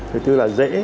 thứ bốn là dễ